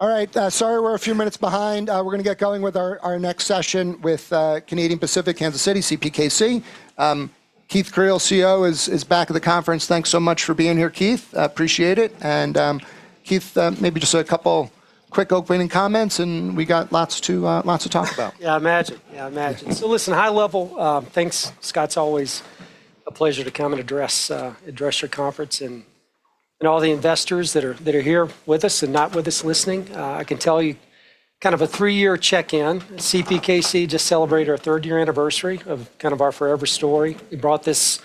All right. Sorry, we're a few minutes behind. We're going to get going with our next session with Canadian Pacific Kansas City, CPKC. Keith Creel, CEO, is back at the conference. Thanks so much for being here, Keith. Appreciate it. Keith, maybe just a couple quick opening comments, we got lots to talk about. Yeah, I imagine. Listen, high level, thanks, Scott. It's always a pleasure to come and address your conference and all the investors that are here with us and not with us listening. I can tell you kind of a three-year check-in. CPKC just celebrated our third year anniversary of kind of our forever story. We brought this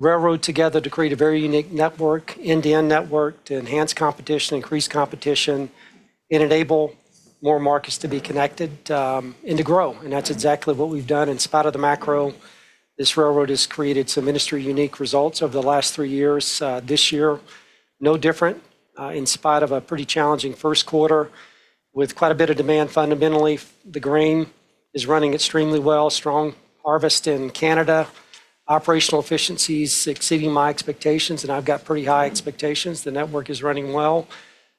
railroad together to create a very unique network, end-to-end network, to enhance competition, increase competition, and enable more markets to be connected, and to grow. That's exactly what we've done. In spite of the macro, this railroad has created some industry unique results over the last three years. This year, no different. In spite of a pretty challenging first quarter with quite a bit of demand, fundamentally, the grain is running extremely well. Strong harvest in Canada. Operational efficiency is exceeding my expectations, and I've got pretty high expectations. The network is running well.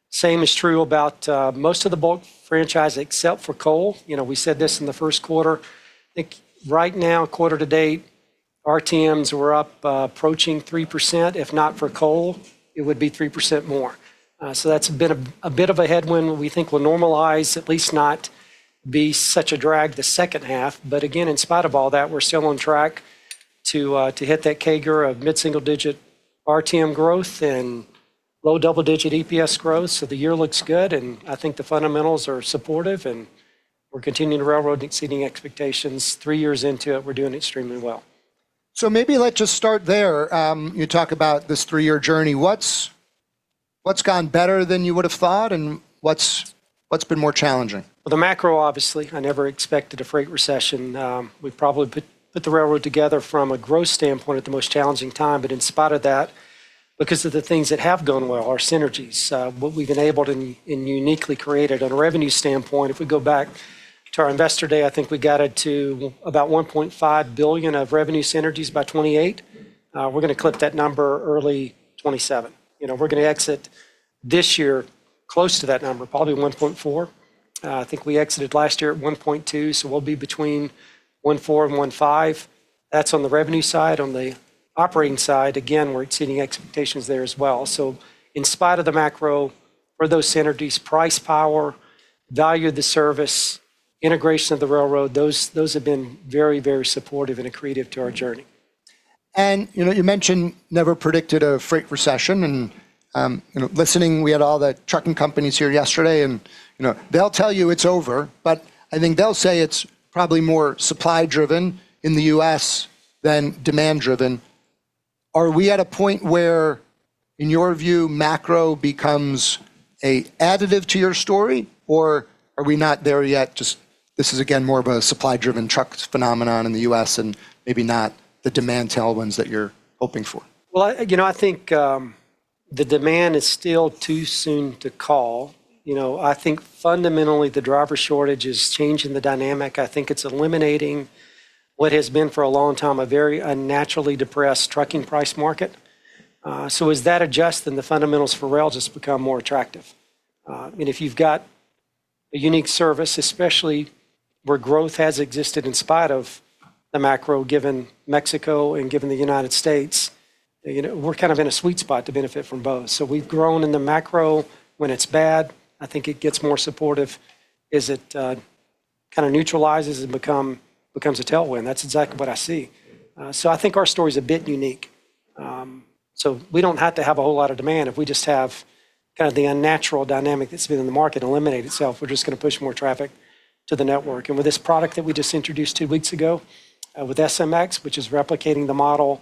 Same is true about most of the bulk franchise, except for coal. We said this in the first quarter. I think right now, quarter to date, RTMs were up approaching 3%. If not for coal, it would be 3% more. That's a bit of a headwind we think will normalize, at least not be such a drag the second half. Again, in spite of all that, we're still on track to hit that CAGR of mid-single-digit RTM growth and low double-digit EPS growth. The year looks good, and I think the fundamentals are supportive, and we're continuing to railroad exceeding expectations. 3 years into it, we're doing extremely well. Maybe let's just start there. You talk about this three-year journey. What's gone better than you would have thought, and what's been more challenging? Well, the macro, obviously. I never expected a freight recession. We've probably put the railroad together from a growth standpoint at the most challenging time. In spite of that, because of the things that have gone well, our synergies, what we've enabled and uniquely created on a revenue standpoint. If we go back to our Investor Day, I think we guided to about 1.5 billion of revenue synergies by 2028. We're going to clip that number early 2027. We're going to exit this year close to that number, probably 1.4 billion. I think we exited last year at 1.2 billion, so we'll be between 1.4 billion and 1.5 billion. That's on the revenue side. On the operating side, again, we're exceeding expectations there as well. In spite of the macro, for those synergies, price power, value of the service, integration of the railroad, those have been very supportive and accretive to our journey. You mentioned never predicted a freight recession. Listening, we had all the trucking companies here yesterday. They'll tell you it's over, but I think they'll say it's probably more supply driven in the U.S. than demand driven. Are we at a point where, in your view, macro becomes a additive to your story, or are we not there yet? This is, again, more of a supply driven truck phenomenon in the U.S. and maybe not the demand tailwinds that you're hoping for. Well, I think the demand is still too soon to call. I think fundamentally the driver shortage is changing the dynamic. I think it's eliminating what has been for a long time, a very unnaturally depressed trucking price market. As that adjusts, then the fundamentals for rail just become more attractive. If you've got a unique service, especially where growth has existed in spite of the macro, given Mexico and given the United States, we're kind of in a sweet spot to benefit from both. We've grown in the macro. When it's bad, I think it gets more supportive as it kind of neutralizes and becomes a tailwind. That's exactly what I see. I think our story's a bit unique. We don't have to have a whole lot of demand. If we just have kind of the unnatural dynamic that's been in the market eliminate itself, we're just going to push more traffic to the network. With this product that we just introduced 2 weeks ago with SMX, which is replicating the model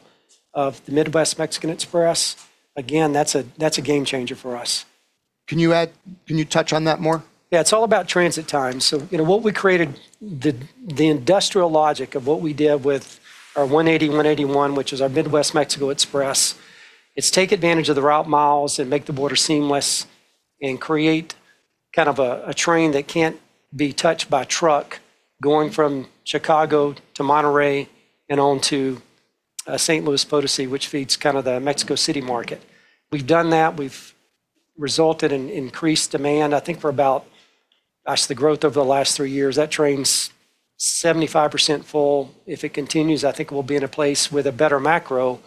of the Mexico Midwest Express, again, that's a game changer for us. Can you touch on that more? Yeah. It's all about transit time. What we created, the industrial logic of what we did with our 180/181, which is our Mexico Midwest Express, it's take advantage of the route miles and make the border seamless and create kind of a train that can't be touched by truck going from Chicago to Monterrey and on to San Luis Potosí, which feeds kind of the Mexico City market. We've done that. We've resulted in increased demand, I think, for about as the growth over the last 3 years, that train's 75% full. If it continues, I think we'll be in a place with a better macro.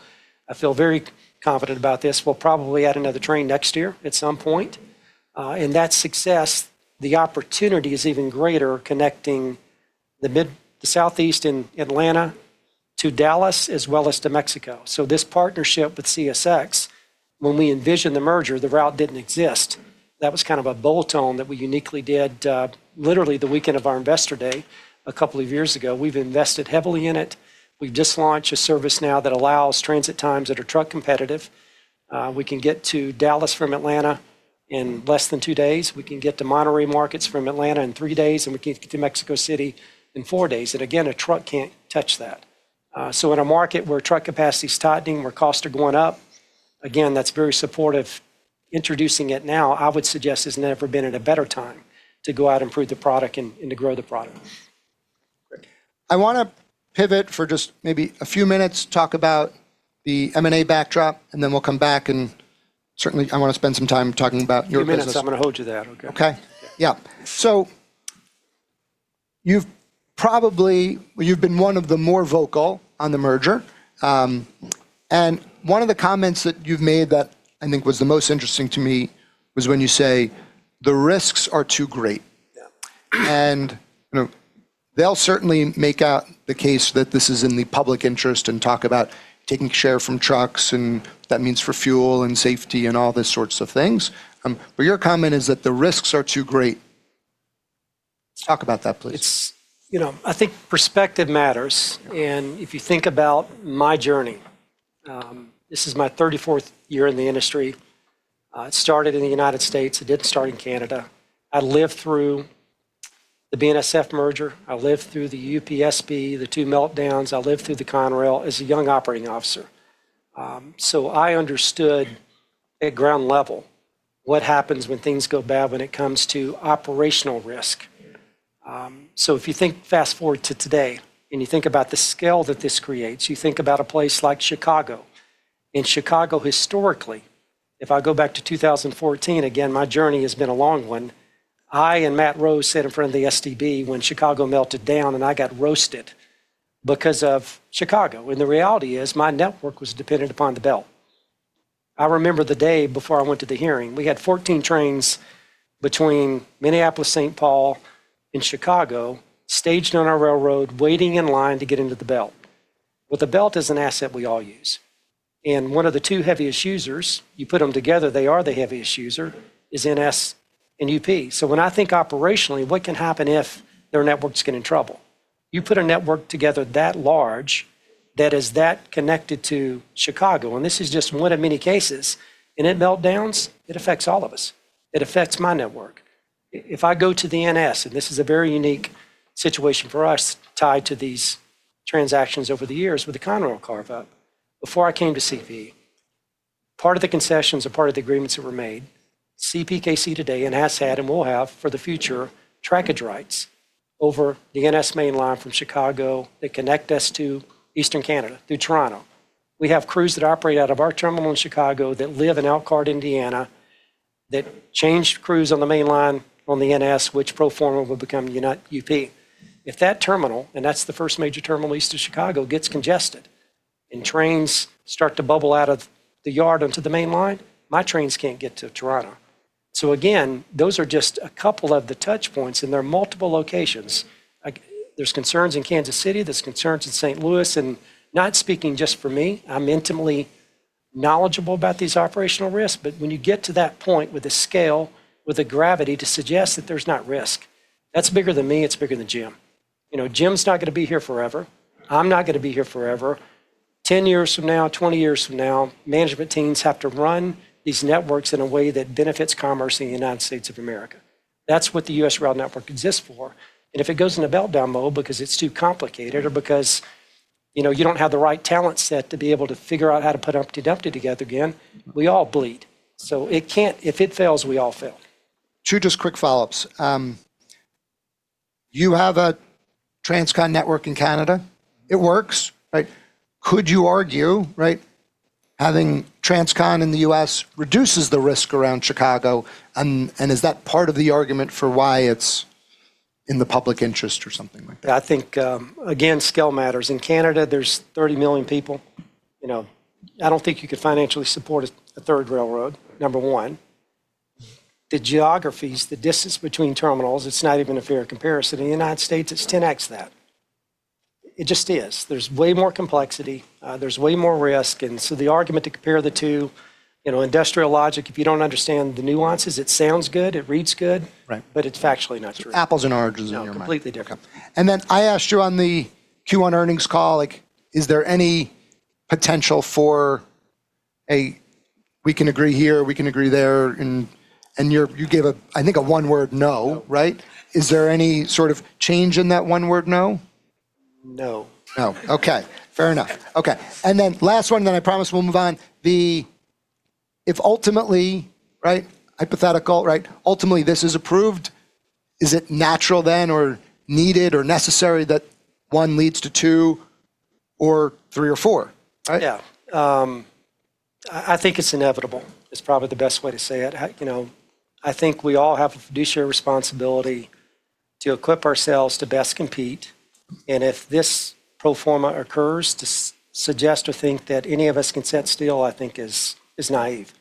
I feel very confident about this. We'll probably add another 1 train next year at some point. That success, the opportunity is even greater connecting the Southeast in Atlanta to Dallas, as well as to Mexico. This partnership with CSX, when we envisioned the merger, the route didn't exist. That was kind of a bolt-on that we uniquely did literally the weekend of our investor day a couple of years ago. We've invested heavily in it. We've just launched a service now that allows transit times that are truck competitive. We can get to Dallas from Atlanta in less than 2 days. We can get to Monterrey markets from Atlanta in 3 days. We can get to Mexico City in 4 days. Again, a truck can't touch that. In a market where truck capacity's tightening, where costs are going up, again, that's very supportive. Introducing it now, I would suggest, has never been at a better time to go out and prove the product and to grow the product. I want to pivot for just maybe a few minutes, talk about the M&A backdrop, and then we'll come back, and certainly, I want to spend some time talking about your business. Two minutes. I'm going to hold you to that, okay? Okay. Yeah. You've been one of the more vocal on the merger. One of the comments that you've made that I think was the most interesting to me was when you say, "The risks are too great. Yeah. They'll certainly make out the case that this is in the public interest and talk about taking share from trucks and what that means for fuel and safety and all these sorts of things. Your comment is that the risks are too great. Let's talk about that, please. I think perspective matters. If you think about my journey, this is my 34th year in the industry. It started in the United States. It didn't start in Canada. I lived through the BNSF merger. I lived through the UP-SP, the 2 meltdowns. I lived through the Conrail as a young operating officer. I understood at ground level what happens when things go bad when it comes to operational risk. Yeah. If you fast-forward to today, and you think about the scale that this creates, you think about a place like Chicago. In Chicago, historically, if I go back to 2014, again, my journey has been a long one. I and Matt Rose sat in front of the STB when Chicago melted down, and I got roasted because of Chicago. When the reality is my network was dependent upon the Belt. I remember the day before I went to the hearing. We had 14 trains between Minneapolis-St. Paul and Chicago staged on our railroad, waiting in line to get into the Belt. The Belt is an asset we all use. One of the two heaviest users, you put them together, they are the heaviest user, is NS and UP. When I think operationally, what can happen if their networks get in trouble? You put a network together that large that is that connected to Chicago, and this is just one of many cases, and it meltdowns, it affects all of us. It affects my network. If I go to the NS, and this is a very unique situation for us tied to these transactions over the years with the Conrail carve-up. Before I came to CP, part of the concessions and part of the agreements that were made, CPKC today, and has had and will have for the future, trackage rights over the NS main line from Chicago that connect us to eastern Canada through Toronto. We have crews that operate out of our terminal in Chicago that live in Elkhart, Indiana, that change crews on the main line on the NS, which pro forma will become UP. If that terminal, and that's the first major terminal east of Chicago, gets congested and trains start to bubble out of the yard onto the main line, my trains can't get to Toronto. Again, those are just a couple of the touchpoints, and there are multiple locations. There's concerns in Kansas City, there's concerns in St. Louis, and not speaking just for me. I'm intimately knowledgeable about these operational risks, but when you get to that point with a scale, with a gravity to suggest that there's not risk, that's bigger than me, it's bigger than James. James's not going to be here forever. I'm not going to be here forever. 10 years from now, 20 years from now, management teams have to run these networks in a way that benefits commerce in the United States of America. That's what the U.S. rail network exists for. If it goes into meltdown mode because it's too complicated or because you don't have the right talent set to be able to figure out how to put it together again, we all bleed. If it fails, we all fail. Two just quick follow-ups. You have a Transcon network in Canada. It works. Could you argue, having Transcon in the U.S. reduces the risk around Chicago? Is that part of the argument for why it's in the public interest or something like that? I think, again, scale matters. In Canada, there's 30 million people. I don't think you could financially support a third railroad. Number 1. The geographies, the distance between terminals, it's not even a fair comparison. In the United States, it's 10x that. It just is. There's way more complexity. There's way more risk. The argument to compare the two, industrial logic, if you don't understand the nuances, it sounds good, it reads good. Right. It's factually not true. It's apples and oranges in your mind. No, completely different. Okay. Then I asked you on the Q1 earnings call, is there any potential for a, we can agree here, we can agree there, and you gave I think a one word no, right? No. Is there any sort of change in that one word no? No. No. Okay. Fair enough. Okay. Last one, then I promise we'll move on. If ultimately, hypothetical, ultimately this is approved, is it natural then or needed or necessary that one leads to two or three or four, right? Yeah. I think it's inevitable is probably the best way to say it. I think we all have a fiduciary responsibility to equip ourselves to best compete. If this pro forma occurs, to suggest or think that any of us can sit still, I think is naive.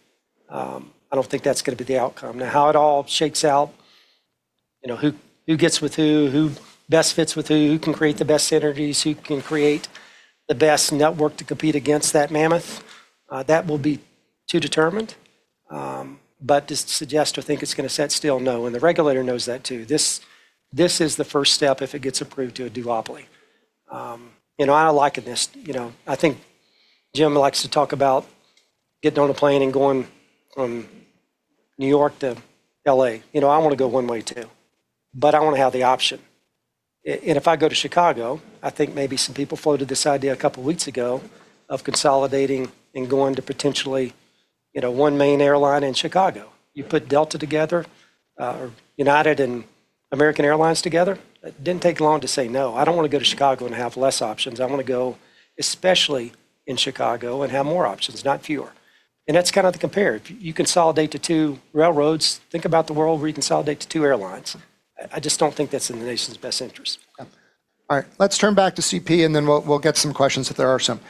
I don't think that's going to be the outcome. How it all shakes out, who gets with who best fits with who can create the best synergies, who can create the best network to compete against that mammoth? That will be determined. To suggest or think it's going to sit still, no. The regulator knows that, too. This is the first step, if it gets approved, to a duopoly. I don't like this. I think James likes to talk about getting on a plane and going from New York to L.A. I want to go one way, too. I want to have the option. If I go to Chicago, I think maybe some people floated this idea a couple of weeks ago of consolidating and going to potentially one main airline in Chicago. You put Delta together, or United and American Airlines together, it didn't take long to say, "No, I don't want to go to Chicago and have less options." I want to go, especially in Chicago, and have more options, not fewer. That's the compare. If you consolidate to two railroads, think about the world where you consolidate to two airlines. I just don't think that's in the nation's best interest. Okay. All right. Let's turn back to CP, and then we'll get some questions if there are some.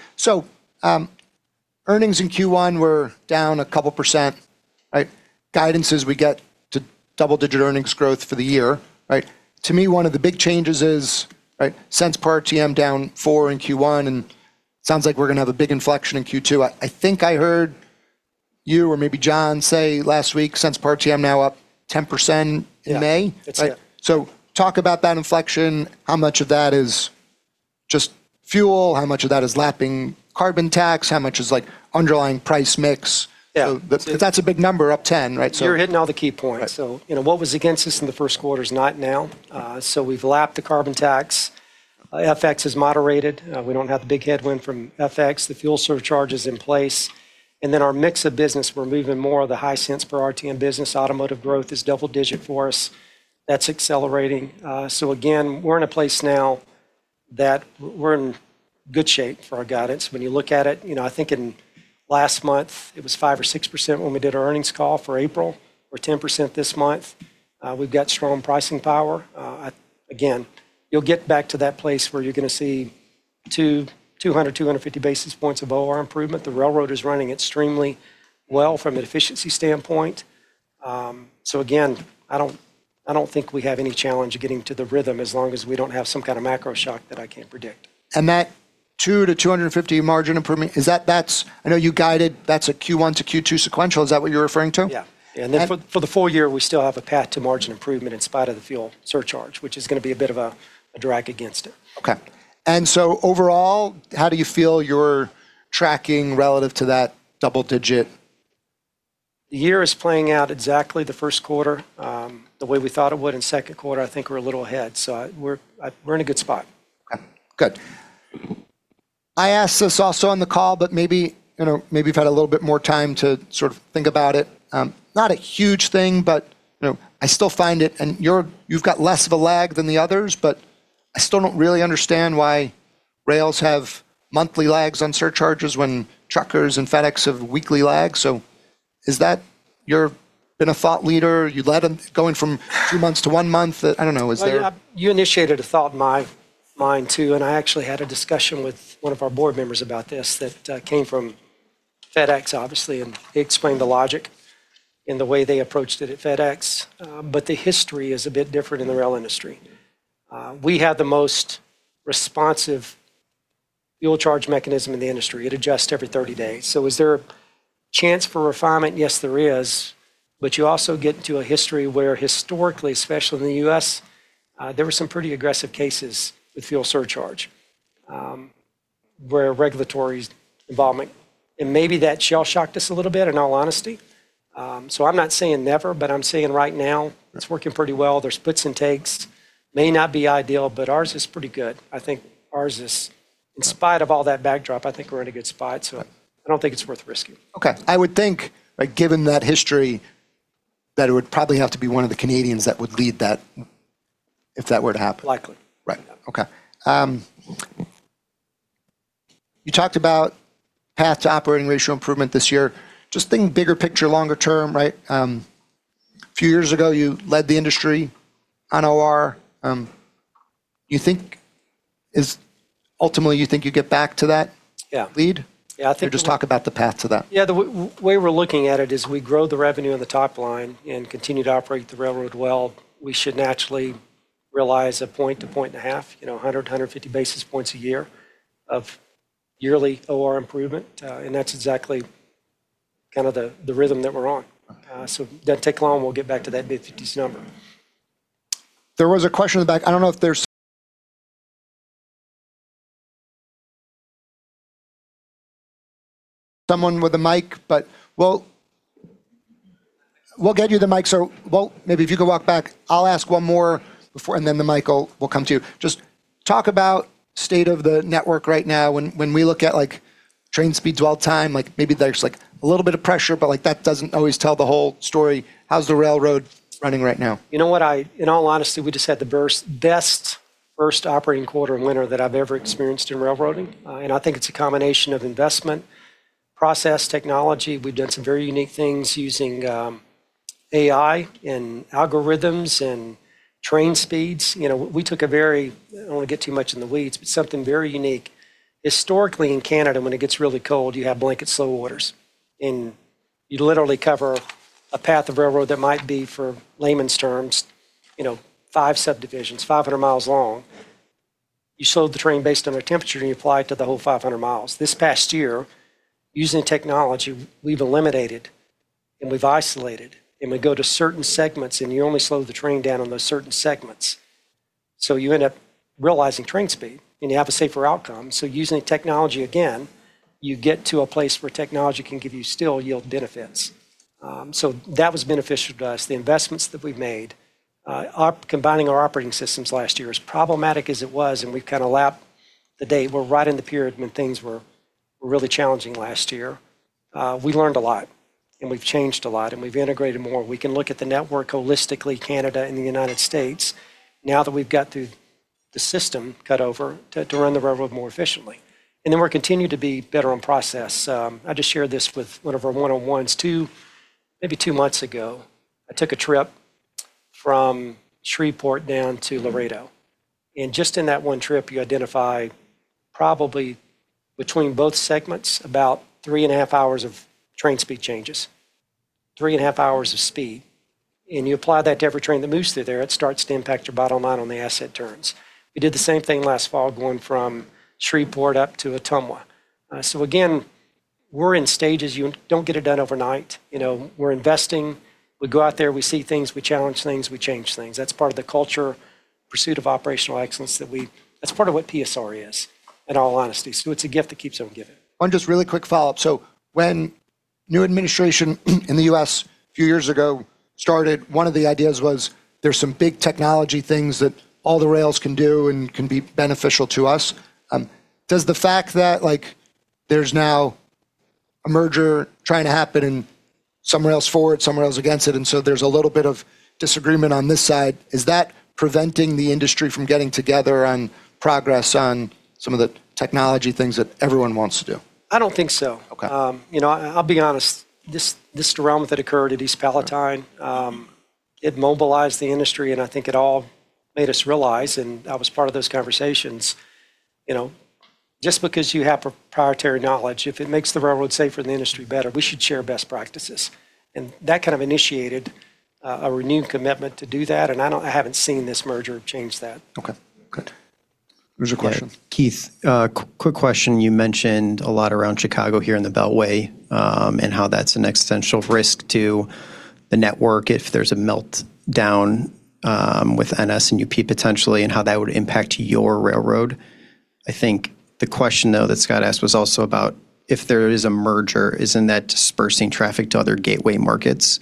Earnings in Q1 were down 2%, right. Guidance is we get to double-digit earnings growth for the year, right. To me, one of the big changes is, since RTM down 4% in Q1, and it sounds like we're going to have a big inflection in Q2. I think I heard you or maybe John say last week, since RTM now up 10% in May? Yeah. It's, yeah. Talk about that inflection. How much of that is just fuel? How much of that is lapping carbon tax? How much is underlying price mix? Yeah. That's a big number, up 10, right? You're hitting all the key points. Right. What was against us in the first quarter is not now. We've lapped the carbon tax. FX has moderated. We don't have the big headwind from FX. The fuel surcharge is in place. Our mix of business, we're moving more of the high cents per RTM business. Automotive growth is double digit for us. That's accelerating. Again, we're in a place now that we're in good shape for our guidance. When you look at it, I think in last month it was 5% or 6% when we did our earnings call for April. We're 10% this month. We've got strong pricing power. Again, you'll get back to that place where you're going to see 200, 250 basis points of OR improvement. The railroad is running extremely well from an efficiency standpoint. Again, I don't think we have any challenge getting to the rhythm as long as we don't have some kind of macro shock that I can't predict. That 2-250 margin improvement, I know you guided that's a Q1-Q2 sequential. Is that what you're referring to? Yeah. And- For the full year, we still have a path to margin improvement in spite of the fuel surcharge, which is going to be a bit of a drag against it. Okay. Overall, how do you feel you're tracking relative to that double digit? The year is playing out exactly the first quarter, the way we thought it would. In second quarter, I think we're a little ahead. We're in a good spot. Okay, good. I asked this also on the call, but maybe you've had a little bit more time to think about it. Not a huge thing, but I still find it, and you've got less of a lag than the others, but I still don't really understand why rails have monthly lags on surcharges when truckers and FedEx have weekly lags. You've been a thought leader. You led them going from two months to one month. I don't know. You initiated a thought in my mind, too, and I actually had a discussion with one of our board members about this that came from FedEx, obviously, and they explained the logic in the way they approached it at FedEx. The history is a bit different in the rail industry. We have the most responsive fuel charge mechanism in the industry. It adjusts every 30 days. Is there a chance for refinement? Yes, there is. You also get into a history where historically, especially in the U.S., there were some pretty aggressive cases with fuel surcharge, where regulatory's involvement, and maybe that shell shocked us a little bit, in all honesty. I'm not saying never, but I'm saying right now it's working pretty well. There's puts and takes. May not be ideal, but ours is pretty good. I think ours is, in spite of all that backdrop, I think we're in a good spot. Okay. I don't think it's worth risking. Okay. I would think, given that history, that it would probably have to be one of the Canadians that would lead that, if that were to happen. Likely. Right. Okay. You talked about path to operating ratio improvement this year. Just thinking bigger picture, longer term, right? A few years ago, you led the industry on OR. Ultimately, you think you'd get back to that- Yeah. lead? Yeah. Just talk about the path to that. Yeah. The way we're looking at it is we grow the revenue on the top line and continue to operate the railroad well. We should naturally realize a point to point and a half, 100, 150 basis points a year of yearly OR improvement. That's exactly the rhythm that we're on. Okay. It doesn't take long, we'll get back to that mid-50s number. There was a question in the back. I don't know if there's someone with a mic, but we'll get you the mic. Maybe if you could walk back, I'll ask one more, and then the mic will come to you. Just talk about state of the network right now. When we look at train speeds of all time, maybe there's a little bit of pressure, but that doesn't always tell the whole story. How's the railroad running right now? You know what? In all honesty, we just had the best first operating quarter and winter that I've ever experienced in railroading. I think it's a combination of investment, process, technology. We've done some very unique things using AI and algorithms and train speeds. We took a very, I don't want to get too much in the weeds, but something very unique. Historically, in Canada, when it gets really cold, you have blanket slow orders, and you literally cover a path of railroad that might be, for layman's terms, five subdivisions, 500 miles long. You slow the train based on the temperature, and you apply it to the whole 500 miles. This past year, using technology, we've eliminated and we've isolated, and we go to certain segments, and you only slow the train down on those certain segments. You end up realizing train speed, and you have a safer outcome. Using technology, again, you get to a place where technology can give you still yield benefits. That was beneficial to us. The investments that we've made. Combining our operating systems last year, as problematic as it was, and we've kind of lapped the date. We're right in the period when things were really challenging last year. We learned a lot, and we've changed a lot, and we've integrated more. We can look at the network holistically, Canada and the United States, now that we've got through the system cut over to run the railroad more efficiently. We're continuing to be better on process. I just shared this with one of our one-on-ones too. Maybe 2 months ago, I took a trip from Shreveport down to Laredo. Just in that one trip, you identify probably between both segments about three and a half hours of train speed changes. Three and a half hours of speed, you apply that to every train that moves through there, it starts to impact your bottom line on the asset turns. We did the same thing last fall going from Shreveport up to Ottumwa. Again, we're in stages. You don't get it done overnight. We're investing. We go out there, we see things, we challenge things, we change things. That's part of the culture, pursuit of operational excellence. That's part of what PSR is, in all honesty. It's a gift that keeps on giving. One just really quick follow-up. When new administration in the U.S. a few years ago started, one of the ideas was there's some big technology things that all the rails can do and can be beneficial to us. Does the fact that there's now a merger trying to happen and some rails forward, some rails against it, and so there's a little bit of disagreement on this side, is that preventing the industry from getting together on progress on some of the technology things that everyone wants to do? I don't think so. Okay. I'll be honest. This derailment that occurred at East Palestine it mobilized the industry, and I think it all made us realize, and I was part of those conversations. Just because you have proprietary knowledge, if it makes the railroad safer and the industry better, we should share best practices. That kind of initiated a renewed commitment to do that, and I haven't seen this merger change that. Okay, good. There's a question. Keith, a quick question. You mentioned a lot around Chicago here in the Belt Railway, and how that's an existential risk to the network if there's a meltdown with NS and UP potentially, and how that would impact your railroad. I think the question, though, that Scott asked was also about if there is a merger, isn't that dispersing traffic to other gateway markets?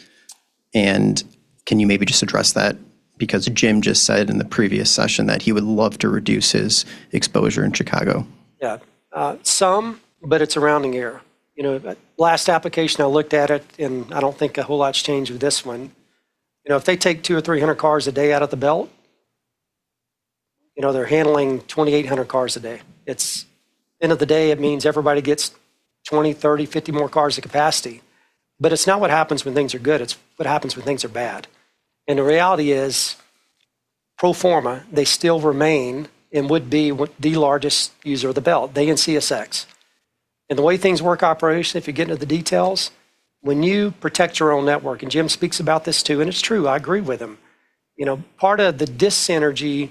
Can you maybe just address that? Because James just said in the previous session that he would love to reduce his exposure in Chicago. Yeah. Some, but it's a rounding error. Last application I looked at it. I don't think a whole lot's changed with this one. If they take 200 or 300 cars a day out of the Belt, they're handling 2,800 cars a day. End of the day, it means everybody gets 20, 30, 50 more cars of capacity. It's not what happens when things are good, it's what happens when things are bad. The reality is pro forma, they still remain and would be what the largest user of the Belt, they and CSX. The way things work operationally, if you get into the details, when you protect your own network, and James speaks about this too, and it's true, I agree with him. Part of the dyssynergy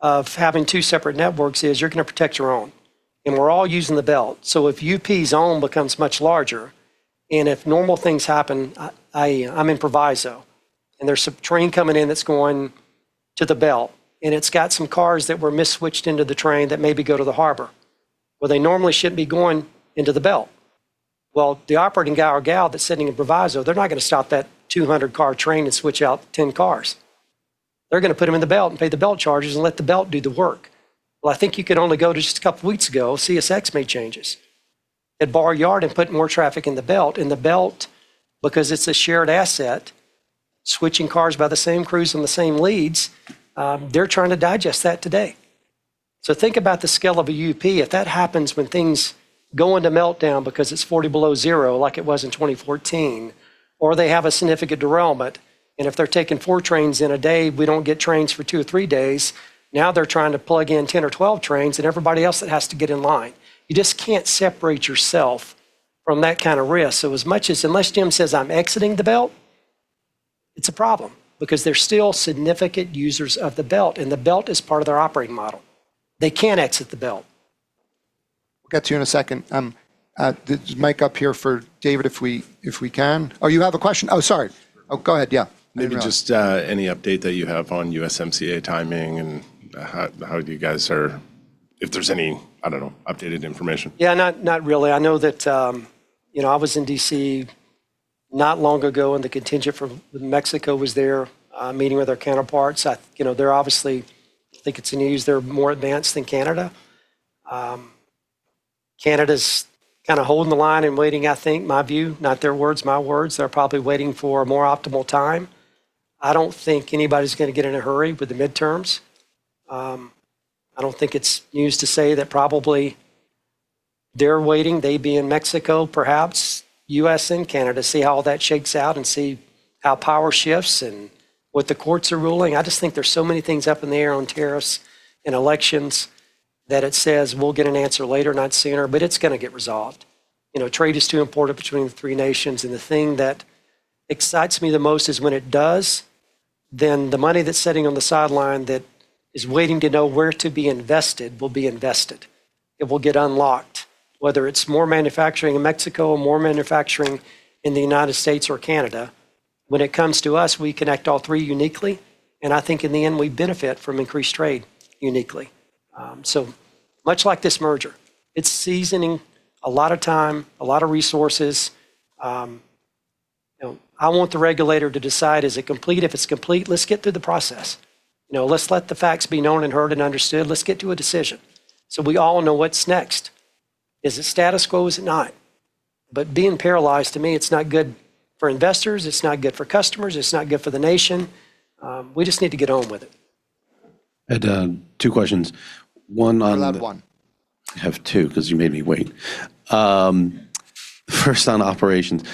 of having two separate networks is you're going to protect your own. We're all using the Belt. If UP's own becomes much larger, and if normal things happen, I'm in Proviso, and there's some train coming in that's going to the Belt, and it's got some cars that were mis-switched into the train that maybe go to the harbor, where they normally shouldn't be going into the Belt. The operating guy or gal that's sitting in Proviso, they're not going to stop that 200-car train and switch out 10 cars. They're going to put them in the Belt and pay the Belt charges and let the Belt do the work. I think you can only go to just a couple of weeks ago, CSX made changes at Barr Yard and put more traffic in the Belt. The Belt, because it's a shared asset, switching cars by the same crews on the same leads, they're trying to digest that today. Think about the scale of a UP. If that happens when things go into meltdown because it's 40 below zero like it was in 2014, or they have a significant derailment, and if they're taking four trains in a day, we don't get trains for two or three days. Now they're trying to plug in 10 or 12 trains and everybody else that has to get in line. You just can't separate yourself from that kind of risk. As much as unless James says, "I'm exiting the Belt," it's a problem because they're still significant users of the Belt, and the Belt is part of their operating model. They can't exit the Belt. We'll get to you in a second. There's a mic up here for David, if we can. Oh, you have a question. Oh, sorry. Oh, go ahead. Yeah. Maybe just any update that you have on USMCA timing and how you guys are, if there's any, I don't know, updated information? Yeah. Not really. I know that I was in D.C. not long ago, and the contingent from Mexico was there meeting with our counterparts. I think it's in the news they're more advanced than Canada. Canada's kind of holding the line and waiting, I think. My view, not their words, my words. They're probably waiting for a more optimal time. I don't think anybody's going to get in a hurry with the midterms. I don't think it's news to say that probably they're waiting. They being Mexico, perhaps U.S. and Canada, see how all that shakes out and see how power shifts and what the courts are ruling. I just think there's so many things up in the air on tariffs and elections that it says we'll get an answer later, not sooner. It's going to get resolved. Trade is too important between the three nations. The thing that excites me the most is when it does, then the money that's sitting on the sideline that is waiting to know where to be invested will be invested. It will get unlocked. Whether it's more manufacturing in Mexico or more manufacturing in the United States or Canada. When it comes to us, we connect all three uniquely, and I think in the end, we benefit from increased trade uniquely. Much like this merger, it's seasoning a lot of time, a lot of resources. I want the regulator to decide, is it complete? If it's complete, let's get through the process. Let's let the facts be known and heard and understood. Let's get to a decision so we all know what's next. Is it status quo? Is it not? Being paralyzed, to me, it's not good for investors, it's not good for customers, it's not good for the nation. We just need to get on with it. And a, 2 questions. I allowed one. I have two because you made me wait. First on operations.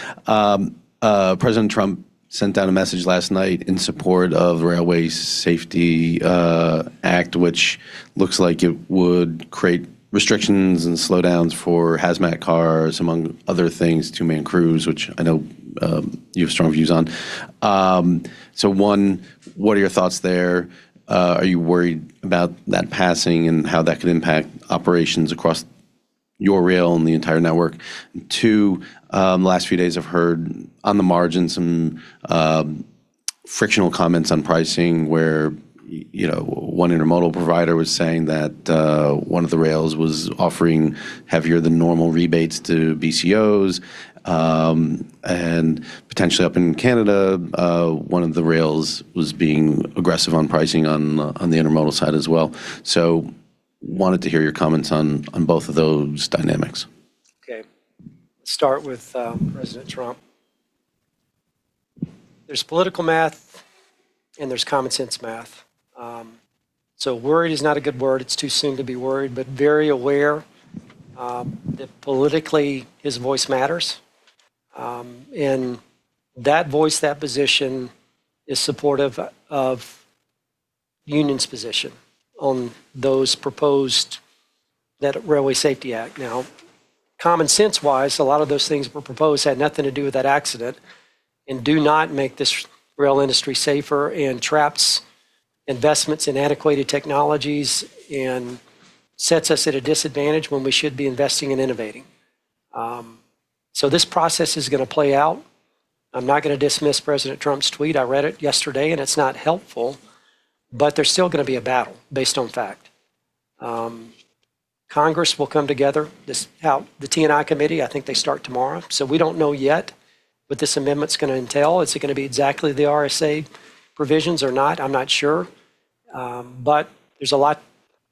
President Trump sent out a message last night in support of Railway Safety Act, which looks like it would create restrictions and slowdowns for hazmat cars, among other things, 2-man crews, which I know you have strong views on. 1, what are your thoughts there? Are you worried about that passing and how that could impact operations across your rail and the entire network? 2, the last few days, I've heard on the margin some frictional comments on pricing where 1 intermodal provider was saying that 1 of the rails was offering heavier than normal rebates to BCOs. Potentially up in Canada, 1 of the rails was being aggressive on pricing on the intermodal side as well. Wanted to hear your comments on both of those dynamics. Okay. Start with President Trump. There's political math and there's common sense math. Worried is not a good word. It's too soon to be worried, but very aware that politically his voice matters. That voice, that position is supportive of union's position on those proposed Railway Safety Act. Now, common sense wise, a lot of those things that were proposed had nothing to do with that accident and do not make this rail industry safer and traps investments in antiquated technologies and sets us at a disadvantage when we should be investing and innovating. This process is going to play out. I'm not going to dismiss President Trump's tweet. I read it yesterday, it's not helpful, but there's still going to be a battle based on fact. Congress will come together. The T&I committee, I think they start tomorrow. We don't know yet what this amendment's going to entail. Is it going to be exactly the RSA provisions or not? I'm not sure. There's a lot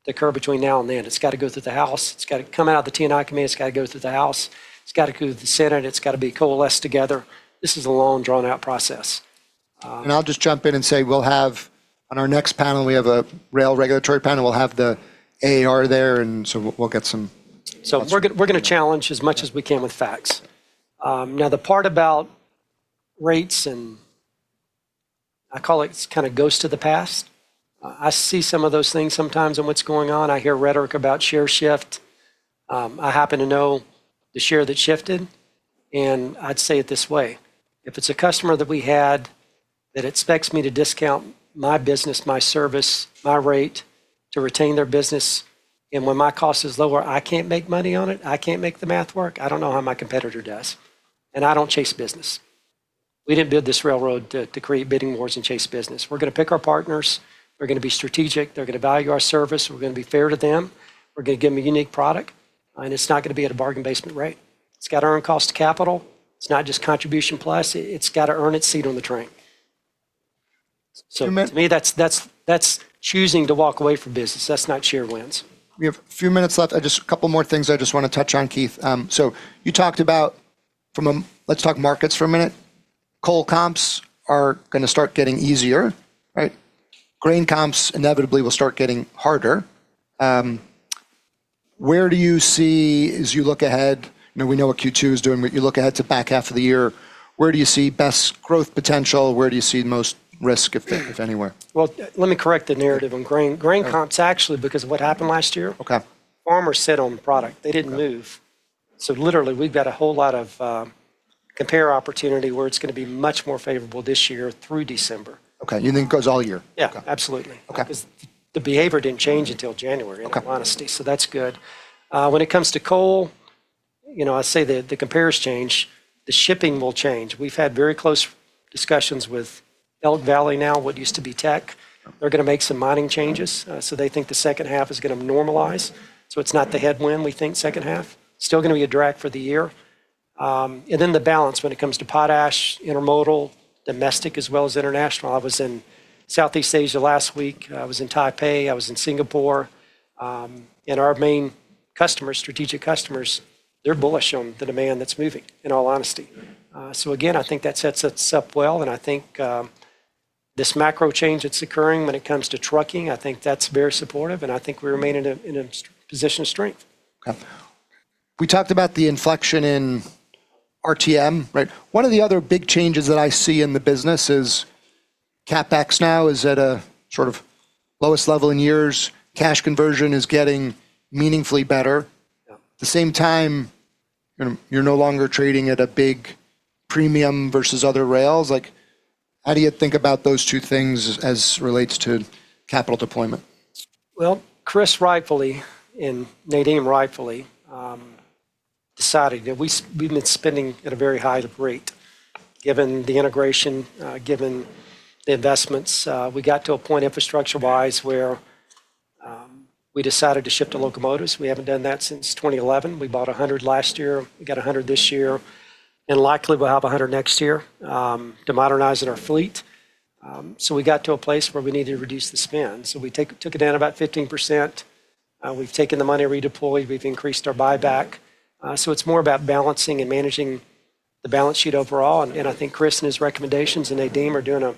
to occur between now and then. It's got to go through the House. It's got to come out of the T&I committee. It's got to go through the House. It's got to go through the Senate. It's got to be coalesced together. This is a long, drawn-out process. I'll just jump in and say we'll have on our next panel, we have a rail regulatory panel. We'll have the AAR there, and so we'll get. We're going to challenge as much as we can with facts. The part about rates, and I call it kind of ghost of the past. I see some of those things sometimes in what's going on. I hear rhetoric about share shift. I happen to know the share that shifted, and I'd say it this way. If it's a customer that we had that expects me to discount my business, my service, my rate to retain their business, and when my cost is lower, I can't make money on it, I can't make the math work. I don't know how my competitor does. I don't chase business. We didn't build this railroad to create bidding wars and chase business. We're going to pick our partners. They're going to be strategic. They're going to value our service. We're going to be fair to them. We're going to give them a unique product, and it's not going to be at a bargain basement rate. It's got to earn cost to capital. It's not just contribution plus. It's got to earn its seat on the train. You mentioned- To me, that's choosing to walk away from business. That's not share wins. We have a few minutes left. A couple more things I just want to touch on, Keith. You talked about. Let's talk markets for a minute. Coal comps are going to start getting easier, right? Grain comps inevitably will start getting harder. Where do you see as you look ahead, we know what Q2 is doing, but you look ahead to back half of the year, where do you see best growth potential? Where do you see the most risk, if anywhere? Well, let me correct the narrative on grain. Grain comps actually, because of what happened last year. Okay. Farmers sit on product. They didn't move. Literally, we've got a whole lot of compare opportunity where it's going to be much more favorable this year through December. Okay. You think it goes all year? Yeah, absolutely. Okay. Because the behavior didn't change until January. Okay. in all honesty. That's good. When it comes to coal, I say the compares change, the shipping will change. We've had very close discussions with Elk Valley now, what used to be Teck. They're going to make some mining changes. They think the second half is going to normalize. It's not the headwind we think second half. Still going to be a drag for the year. The balance when it comes to potash, intermodal, domestic, as well as international. I was in Southeast Asia last week. I was in Taipei, I was in Singapore. Our main customers, strategic customers, they're bullish on the demand that's moving, in all honesty. Again, I think that sets us up well. I think this macro change that's occurring when it comes to trucking, I think that's very supportive, and I think we remain in a position of strength. Okay. We talked about the inflection in RTM. Right. One of the other big changes that I see in the business is CapEx now is at a sort of lowest level in years. Cash conversion is getting meaningfully better. Yeah. At the same time, you're no longer trading at a big premium versus other rails. How do you think about those two things as relates to capital deployment? Chris rightfully and Nadeem rightfully decided that we've been spending at a very high rate, given the integration, given the investments. We got to a point infrastructure wise where we decided to shift to locomotives. We haven't done that since 2011. We bought 100 last year, we got 100 this year, and likely we'll have 100 next year to modernize our fleet. We got to a place where we needed to reduce the spend, so we took it down about 15%. We've taken the money, redeployed, we've increased our buyback. It's more about balancing and managing the balance sheet overall. I think Chris and his recommendations, and Nadeem are doing a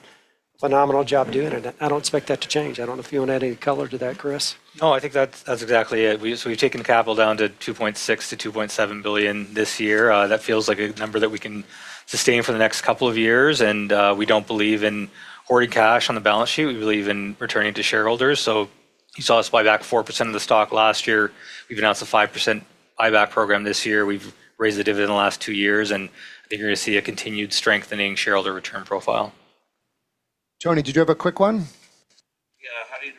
phenomenal job doing it. I don't expect that to change. I don't know if you want to add any color to that, Chris. I think that's exactly it. We've taken capital down to 2.6 billion-2.7 billion this year. That feels like a number that we can sustain for the next couple of years. We don't believe in hoarding cash on the balance sheet. We believe in returning to shareholders. You saw us buy back 4% of the stock last year. We've announced a 5% buyback program this year. We've raised the dividend the last two years, I think you're going to see a continued strengthening shareholder return profile. Tony, did you have a quick one? Yeah. Sorry.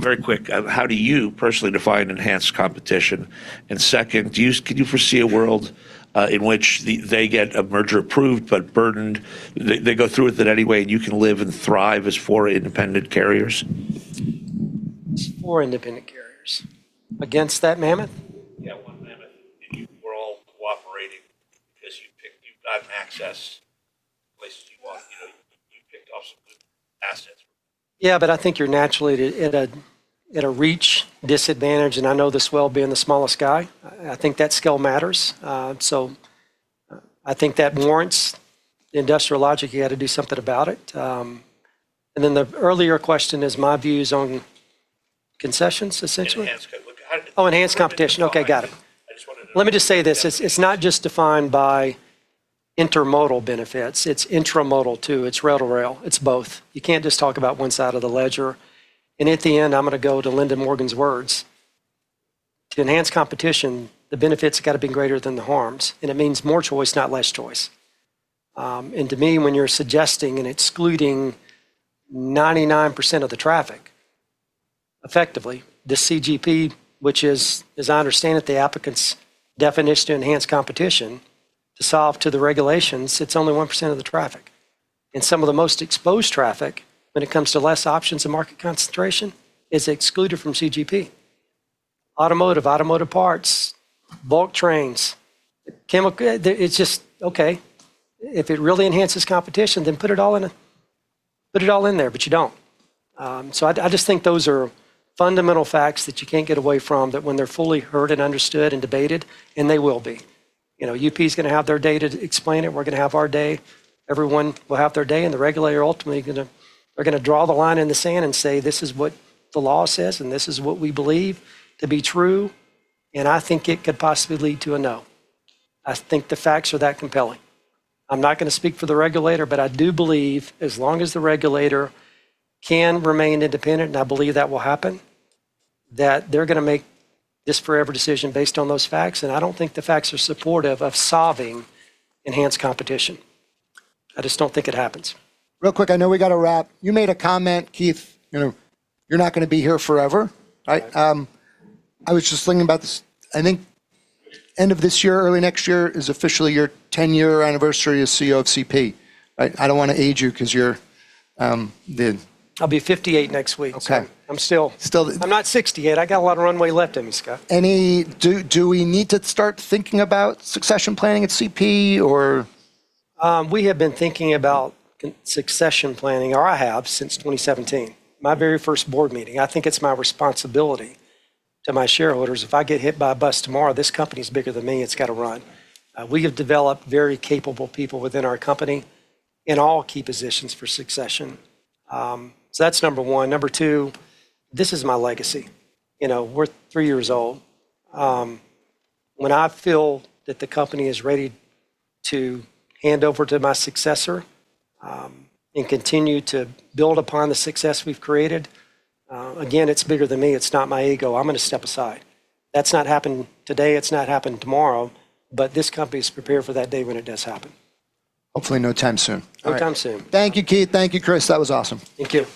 Very quick. How do you personally define enhanced competition? Second, can you foresee a world in which they get a merger approved but they go through with it anyway, and you can live and thrive as four independent carriers? As four independent carriers against that mammoth? Yeah. One mammoth. You were all cooperating because you've got access places you want. You picked off some good assets. I think you're naturally at a reach disadvantage, and I know this well, being the smallest guy. I think that scale matters. I think that warrants the industrial logic. You got to do something about it. The earlier question is my views on concessions, essentially? Enhanced. Oh, enhanced competition. Okay, got it. I just wanted to- Let me just say this. It's not just defined by intermodal benefits. It's intramodal too. It's rail to rail. It's both. You can't just talk about one side of the ledger. At the end, I'm going to go to Linda Morgan's words. To enhance competition, the benefits have got to be greater than the harms, and it means more choice, not less choice. To me, when you're suggesting and excluding 99% of the traffic, effectively, the CGP, which is, as I understand it, the applicant's definition to enhance competition to solve to the regulations, it's only 1% of the traffic. Some of the most exposed traffic when it comes to less options and market concentration is excluded from CGP. Automotive, automotive parts, bulk trains, chemical. It's just, okay, if it really enhances competition, then put it all in there. You don't. I just think those are fundamental facts that you can't get away from, that when they're fully heard and understood and debated, and they will be. UP is going to have their day to explain it. We're going to have our day. Everyone will have their day. The regulator ultimately are going to draw the line in the sand and say, "This is what the law says, and this is what we believe to be true." I think it could possibly lead to a no. I think the facts are that compelling. I'm not going to speak for the regulator, but I do believe as long as the regulator can remain independent, and I believe that will happen, that they're going to make this forever decision based on those facts. I don't think the facts are supportive of solving enhanced competition. I just don't think it happens. Real quick, I know we got to wrap. You made a comment, Keith, you're not going to be here forever. Yeah. I was just thinking about this. I think end of this year, early next year is officially your 10-year anniversary as CEO of CP. I don't want to age you because you're the I'll be 58 next week. Okay. I'm still- Still- I'm not 60 yet. I got a lot of runway left in me, Scott. Do we need to start thinking about succession planning at CP or? We have been thinking about succession planning, or I have, since 2017. My very first board meeting. I think it's my responsibility to my shareholders. If I get hit by a bus tomorrow, this company is bigger than me. It's got to run. We have developed very capable people within our company in all key positions for succession. That's number one. Number two, this is my legacy. We're 3 years old. When I feel that the company is ready to hand over to my successor and continue to build upon the success we've created, again, it's bigger than me. It's not my ego. I'm going to step aside. That's not happening today. It's not happening tomorrow. This company is prepared for that day when it does happen. Hopefully no time soon. No time soon. Thank you, Keith. Thank you, Chris. That was awesome. Thank you.